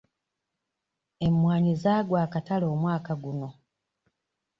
Emwanyi zaagwa akatale omwaka guno.